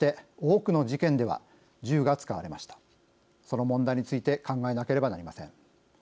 その問題について考えなければなりません。